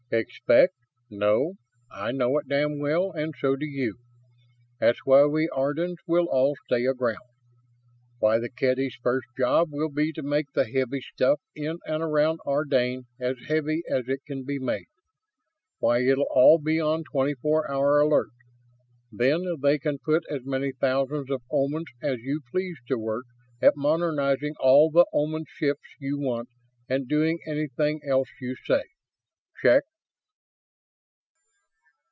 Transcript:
"Expect? No. I know it damn well, and so do you. That's why we Ardans will all stay aground. Why the Kedys' first job will be to make the heavy stuff in and around Ardane as heavy as it can be made. Why it'll all be on twenty four hour alert. Then they can put as many thousands of Omans as you please to work at modernizing all the Oman ships you want and doing anything else you say. Check?"